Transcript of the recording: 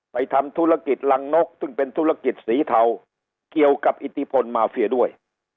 ทำธุรกิจรังนกซึ่งเป็นธุรกิจสีเทาเกี่ยวกับอิทธิพลมาเฟียด้วย